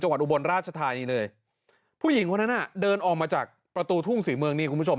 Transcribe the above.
วัดอุบลราชธานีเลยผู้หญิงคนนั้นอ่ะเดินออกมาจากประตูทุ่งศรีเมืองนี่คุณผู้ชม